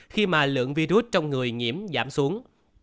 khi mà lượng virus trong người nhiễm giảm xuống